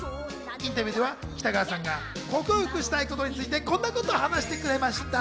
インタビューでは北川さんが克服したいことについて、こんなことを話してくれました。